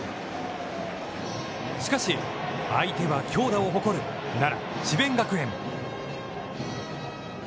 しかし、相手は強打を誇る奈良・智弁学園。